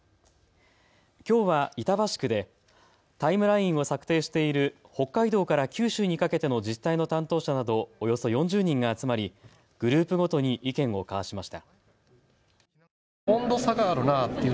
きょうは板橋区でタイムラインを策定している北海道から九州にかけての自治体の担当者などおよそ４０人が集まりグループごとに意見を交わしました。